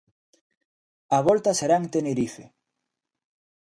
A volta será en Tenerife.